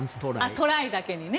あ、トライだけにね。